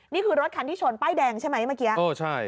นี่คือรถคันที่ชนป้ายแดงใช่ไหมเมื่อกี้